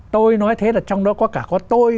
tôi nói thế là trong đó có cả có tôi